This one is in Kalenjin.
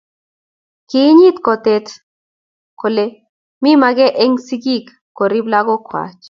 kiinyit kotet kole mi mage eng sikik koriib lakokwach